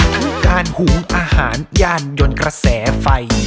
คือการหุงอาหารยานยนต์กระแสไฟ